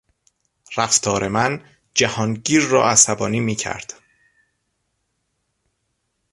رفتار من جهانگیر را عصبانی میکرد.